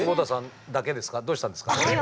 どうしたんですか？